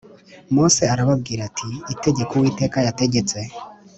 Mose arababwira ati Itegeko Uwiteka yategetse